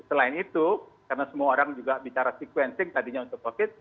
selain itu karena semua orang juga bicara sequencing tadinya untuk covid